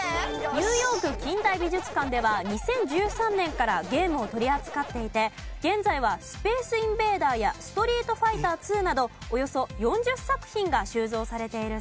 ニューヨーク近代美術館では２０１３年からゲームを取り扱っていて現在は『スペースインベーダー』や『ストリートファイターⅡ』などおよそ４０作品が収蔵されているそうです。